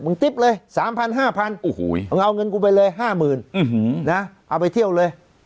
ติ๊บเลย๓๐๐๕๐๐มึงเอาเงินกูไปเลย๕๐๐๐นะเอาไปเที่ยวเลย